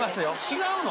違うの？